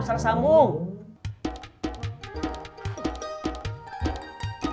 bukan tukang isi ulang air